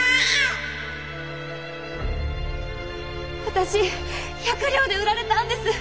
私百両で売られたんです。